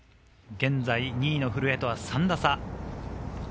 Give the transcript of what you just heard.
現在２位の古江とは３打差。